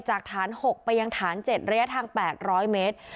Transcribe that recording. จากฐาน๖ไปยังฐาน๗ระยะทาง๘๐๐เมตร